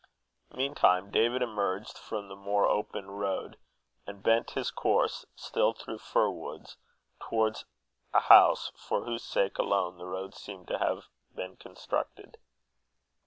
Meantime David emerged upon the more open road, and bent his course, still through fir trees, towards a house for whose sake alone the road seemed to have been constructed.